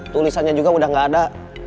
tulisannya juga udah gak ada